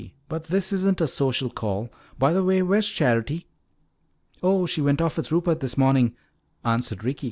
But this isn't a social call. By the way, where's Charity?" "Oh, she went off with Rupert this morning," answered Ricky.